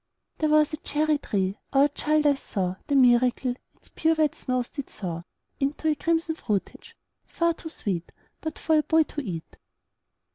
There was a cherry tree our child eyes saw The miracle: Its pure white snows did thaw Into a crimson fruitage, far too sweet But for a boy to eat.